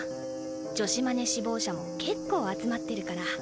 女子マネ志望者も結構集まってるから。